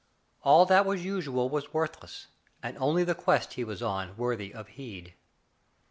All that was usual was worthless, and only the quest he was on worthy of heed.